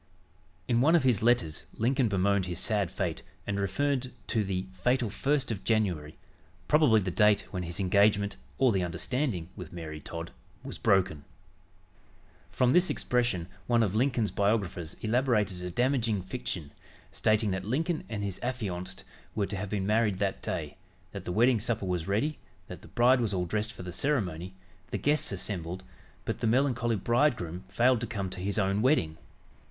In one of his letters Lincoln bemoaned his sad fate and referred to "the fatal 1st of January," probably the date when his engagement or "the understanding" with Mary Todd was broken. From this expression, one of Lincoln's biographers elaborated a damaging fiction, stating that Lincoln and his affianced were to have been married that day, that the wedding supper was ready, that the bride was all dressed for the ceremony, the guests assembled but the melancholy bridegroom failed to come to his own wedding!